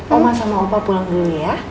oma sama opa pulang dulu ya